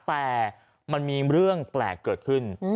แต่มันมีเรื่องแปลกเกิดขึ้น